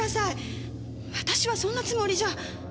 私はそんなつもりじゃ。